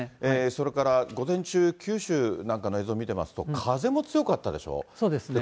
それから午前中、九州なんかの映像を見てますと、そうですね。